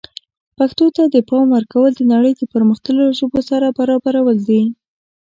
پښتو ته د پام ورکول د نړۍ د پرمختللو ژبو سره برابرول دي.